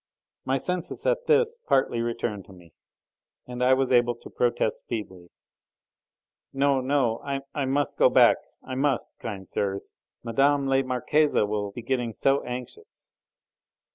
My senses at this partly returned to me, and I was able to protest feebly: "No, no! I must go back I must kind sirs," I murmured. "Mme. la Marquise will be getting so anxious."